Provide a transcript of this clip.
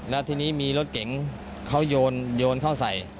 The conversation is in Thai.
แล้วทีนี้มีรถเก๋งเขาโยนเข้าใส่